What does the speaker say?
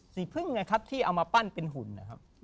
สีพึ่งไงครับที่เอามาปั้นเป็นหุ่นนะครับ